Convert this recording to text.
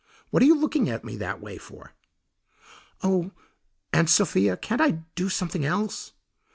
What are you looking at me that way for?" "Oh, Aunt Sophia, can't I do something else?"